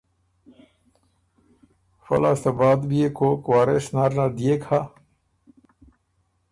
که فۀ لاسته بعد بيې کوک وارث نر نر دئېک هۀ؟